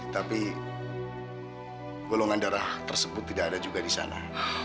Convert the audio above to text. tapi golongan darah tersebut tidak ada juga di sana